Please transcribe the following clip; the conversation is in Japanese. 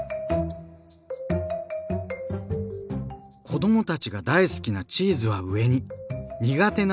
子どもたちが大好きなチーズは上に苦手なオリーブは下に。